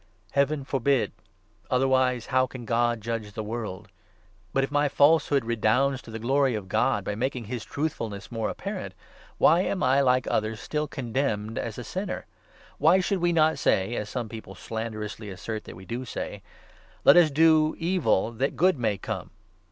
Heaven forbid ! Otherwise how 6 can God judge the world ? But, if my falsehood redounds to 7 the glory of God, by making his truthfulness more apparent, why am I, like others, still condemned as a sinner? Why 8 should we not say — as some people slanderously assert that we do say —' Let us do evil that good may come